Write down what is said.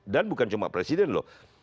dan bukan cuma presiden loh